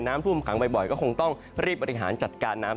น้ำท่วมขังบ่อยก็คงต้องรีบบริหารจัดการน้ำ